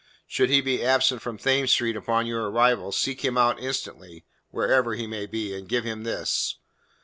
Should he be absent from Thames Street upon your arrival, seek him out instantly, wherever he may be, and give him this.